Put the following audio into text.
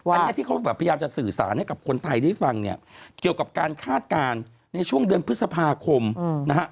อันนี้ที่เขาแบบพยายามจะสื่อสารให้กับคนไทยได้ฟังเนี่ยเกี่ยวกับการคาดการณ์ในช่วงเดือนพฤษภาคมนะฮะ